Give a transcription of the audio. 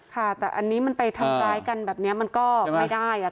ค่ะแต่อันนี้มันไปทำร้ายกันแบบนี้มันก็ไม่ได้อ่ะ